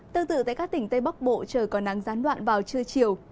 tương tự tại các tỉnh tây bắc bộ trời còn nắng gián đoạn vào trưa chiều